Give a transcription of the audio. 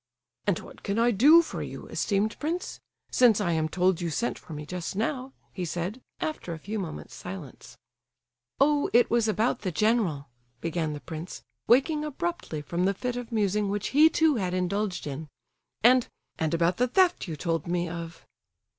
"And what can I do for you, esteemed prince? Since I am told you sent for me just now," he said, after a few moments' silence. "Oh, it was about the general," began the prince, waking abruptly from the fit of musing which he too had indulged in "and—and about the theft you told me of."